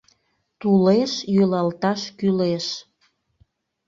Тулеш йӱлалташ кӱлеш!